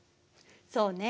そうね。